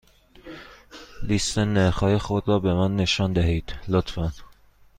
لیست نرخ های خود را به من نشان دهید، لطفا.